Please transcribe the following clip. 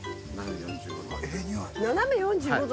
斜め４５度。